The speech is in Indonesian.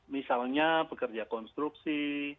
misalnya pekerja konstruksi